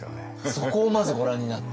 そこをまずご覧になって？